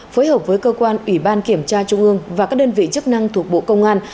phối hợp với cơ quan ủy ban kiểm tra trung ương và các đơn vị chức năng thuộc bộ công an